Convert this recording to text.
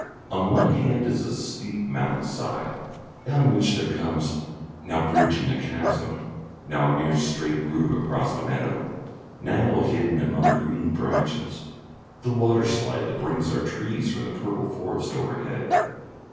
On one hand is a steep mountain side down which there comes, now bridging a chasm, now a mere straight groove across a meadow, now hidden among green branches, the water slide that brings our trees from the purple forest overhead.